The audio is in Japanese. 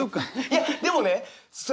いやでもね